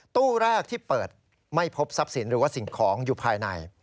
ตู้แรกที่เปิดไม่พบทรัพย์สินหรือว่าสิ่งของอยู่ภายใน